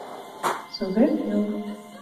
Совет эл